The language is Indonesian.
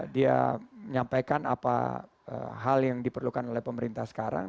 dia menyampaikan apa hal yang diperlukan oleh pemerintah sekarang